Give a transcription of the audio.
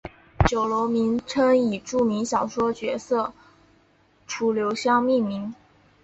酒楼名称以著名小说角色楚留香命名。